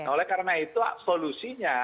oleh karena itu solusinya